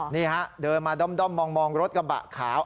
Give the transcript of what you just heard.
นี่ฮะเดินมาด้อมมองรถกระบะขาว